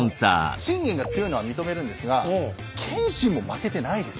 信玄が強いのは認めるんですが謙信も負けてないですよ。